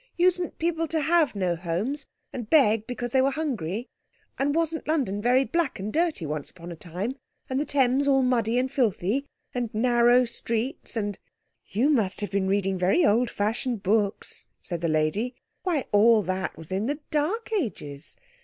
Usedn't people to have no homes and beg because they were hungry? And wasn't London very black and dirty once upon a time? And the Thames all muddy and filthy? And narrow streets, and—" "You must have been reading very old fashioned books," said the lady. "Why, all that was in the dark ages!